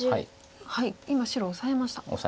今白オサえました。